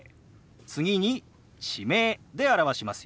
次に地名で表しますよ。